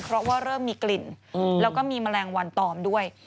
เพราะว่าเริ่มมีกลิ่นแล้วก็มีแมลงวันตอมด้วย